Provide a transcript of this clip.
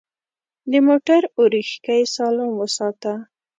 د موټر اورېښکۍ سالم وساته.